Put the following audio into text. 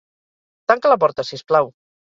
Tanca la porta, sisplau.